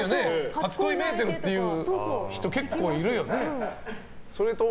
初恋メーテルっていう人結構いるよね。